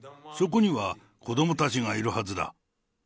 そこには子どもたちがいるはずだ。